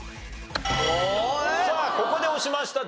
さあここで押しました。